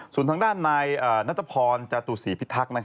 ส่วนทางด้านนายนัทพรจตุศรีพิทักษ์